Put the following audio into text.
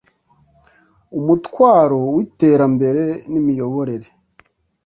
umutwaro w iterambere n imiyoborere